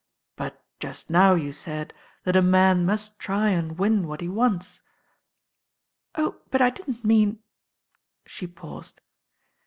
"But just now you said that a man must try and win what he wants." "Oh, but I didn't mean " she paused.